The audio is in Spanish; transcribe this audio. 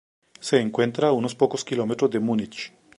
Se encuentra a unos pocos kilómetros de Múnich.